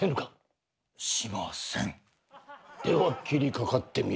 では斬りかかってみよ。